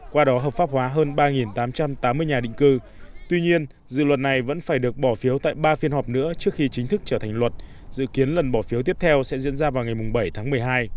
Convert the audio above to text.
qua đó hợp pháp hóa hơn ba tám trăm tám mươi nhà định cư tuy nhiên dự luật này vẫn phải được bỏ phiếu tại ba phiên họp nữa trước khi chính thức trở thành luật dự kiến lần bỏ phiếu tiếp theo sẽ diễn ra vào ngày bảy tháng một mươi hai